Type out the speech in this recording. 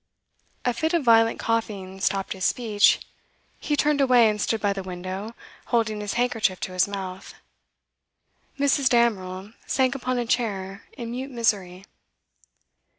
A fit of violent coughing stopped his speech; he turned away, and stood by the window, holding his handkerchief to his mouth. Mrs. Damerel sank upon a chair in mute misery.